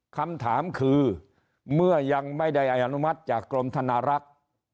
คำถามคือเมื่อยังไม่ได้อนุมัติจากกรมธนารักษ์